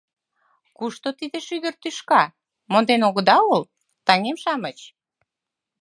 Кушто тиде шӱдыр тӱшка, монден огыда ул, таҥем-шамыч?